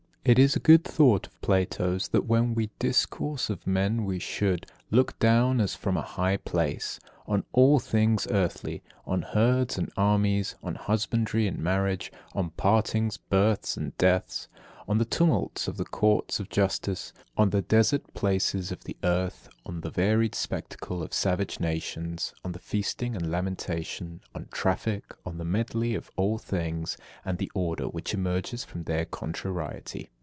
48. It is a good thought of Plato's, that when we discourse of men we should "look down, as from a high place," on all things earthly; on herds and armies; on husbandry and marriage; on partings, births, and deaths; on the tumults of the courts of justice; on the desert places of the earth; on the varied spectacle of savage nations; on feasting and lamentation; on traffic; on the medley of all things, and the order which emerges from their contrariety.